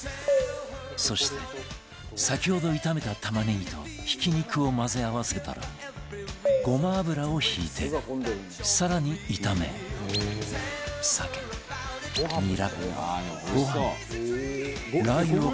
そして先ほど炒めた玉ねぎとひき肉を混ぜ合わせたらごま油を引いて更に炒め酒ニラご飯ラー油を加えていけば